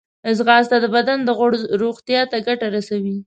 ځغاسته د بدن د غړو روغتیا ته ګټه رسوي